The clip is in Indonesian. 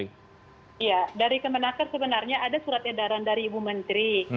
iya dari kemenaker sebenarnya ada surat edaran dari ibu menteri